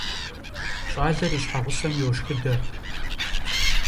ЩӀалэр и щхьэгъусэм йошхыдэ.